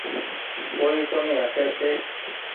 ڪوئي ڪونيٚ هسئي ڇي۔